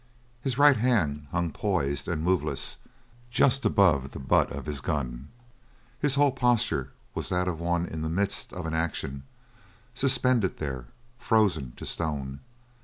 His right hand hung poised and moveless just above the butt of his gun; his whole posture was that of one in the midst of an action, suspended there, frozen to stone.